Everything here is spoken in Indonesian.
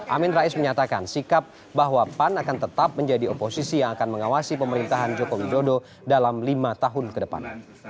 amin rais menyatakan sikap bahwa pan akan tetap menjadi oposisi yang akan mengawasi pemerintahan joko widodo dalam lima tahun ke depan